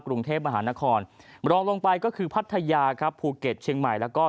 กรุงเทพมหานครรองลงไปก็คือพัทยาครับภูเก็ตเชียงใหม่แล้วก็